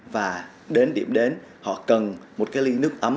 và đến điểm đến họ cần một cái ly nước ấm